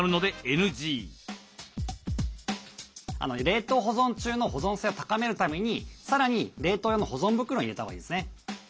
冷凍保存中の保存性を高めるためにさらに冷凍用の保存袋に入れたほうがいいですね。